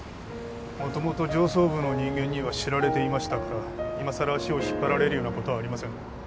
元々上層部の人間には知られていましたからいまさら足を引っ張られるようなことはありません